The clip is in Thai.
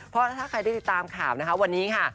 เพราะถ้าใครได้ติดตามข่าวนะคะวันนี้ค่ะ